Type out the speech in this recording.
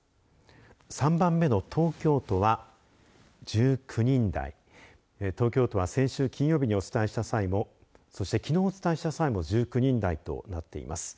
３番目の東京都は１９人台東京都は先週金曜日にお伝えした際もそして、きのうお伝えした際も９人台となっています。